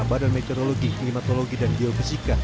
badan meteorologi klimatologi dan geofisika